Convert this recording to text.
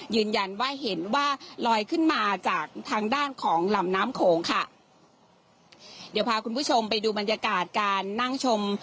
ยืนยันว่าเห็นว่าลอยขึ้นมาจากทางด้านของลำน้ำโขงค่ะเดี๋ยวพาคุณผู้ชมไปดูบรรยากาศการนั่งชม